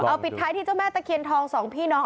เอาปิดท้ายที่เจ้าแม่ตะเคียนทองสองพี่น้อง